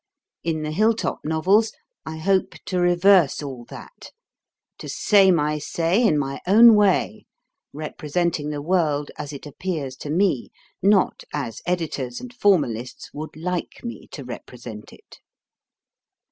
In the Hill top Novels, I hope to reverse all that to say my say in my own way, representing the world as it appears to me, not as editors and formalists would like me to represent it.